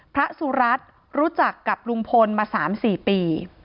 พระสุรัตน์รู้จักกับลุงพลมา๓๔ปี